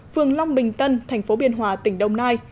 phường long bình tân thành phố biên hòa tỉnh đồng nai